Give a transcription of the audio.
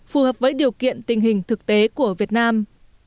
phù hợp với điều kiện tình hình thực tế của việt nam